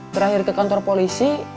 terakhir ke kantor polisi